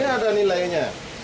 ini ada nilainya